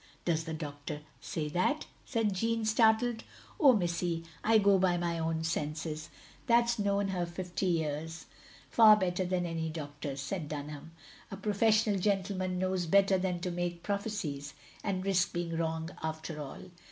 "Does the doctor say that?" said Jeanne, startled. "Oh, missy, I go by my own senses, that's OP GROSVENOR SQUARE 55 known her fifty years — ^far better than any doctors," said Dunham. "A professional gentle man knows better than to make prophecies and risk being wrong after all.